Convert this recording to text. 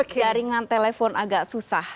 karena teringan telepon agak susah